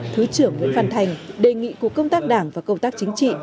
thứ trưởng nguyễn văn thành đề nghị cục công tác đảng và công tác chính trị